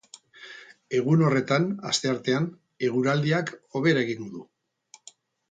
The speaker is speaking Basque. Egun horretan, asteartean, eguraldiak hobera egingo du.